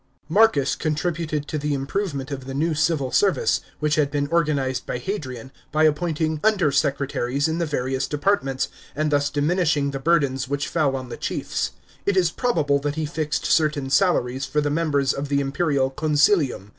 § 5. Marcus contributed to the improvement of the new Civil Service, which had been organized by Hadrian, by appointing " under secretaries " in the various departments, and thus diminishing the burdens which fell on the chiefs. It is probable that he fixed certain salaries for the members of the imperial Consilium.